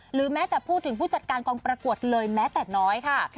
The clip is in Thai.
หรือแม้แต่พูดถึงผู้จัดการกองประกวดเลยแม้แต่น้อยค่ะ